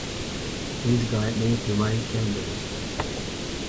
Please guide me to my chambers.